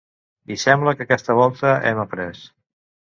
I sembla que aquesta volta hem aprés.